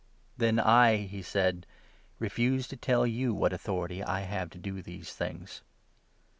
27 "Then I," he said, " refuse to tell you what authority I have to do these things.